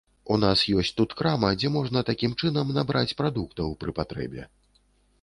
У нас ёсць тут крама, дзе можна такім чынам набраць прадуктаў пры патрэбе.